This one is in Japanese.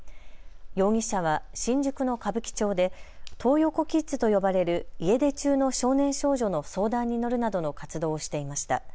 容疑者は新宿の歌舞伎町でトー横キッズと呼ばれる家出中の少年少女の相談に乗るなどの活動をしていました。